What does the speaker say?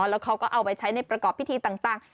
แล้วเขาก็เอาไปใช้ในประกอบพิธีต่าง